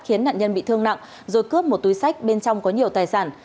khiến nạn nhân bị thương nặng rồi cướp một túi sách bên trong có nhiều tài sản